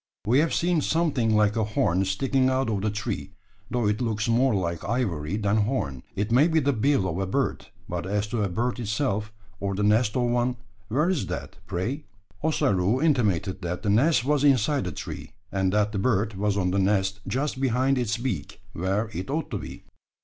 We have seen something like a horn sticking out of the tree, though it looks more like ivory than horn. It may be the bill of a bird; but as to a bird itself, or the nest of one, where is that, pray?" Ossaroo intimated that the nest was inside the tree; and that the bird was on the nest just behind its beak, where it ought to be.